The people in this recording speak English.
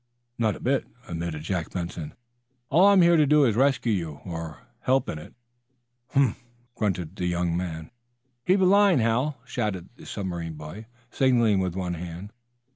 "Not a bit," admitted Jack Benson. "All I'm here to do is to rescue you, or help in it." "Humph!" grunted the younger man. "Heave a line, Hal!" shouted the submarine boy, signaling with one hand.